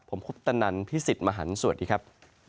ผมคุปตนันพี่สิทธิ์มหันฯสวัสดีครับ